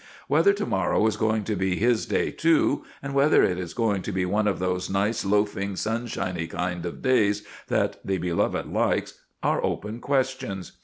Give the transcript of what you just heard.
Whether to morrow is going to be his day, too, and whether it is going to be one of those nice loafing, sunshiny kind of days that the Beloved likes, are open questions.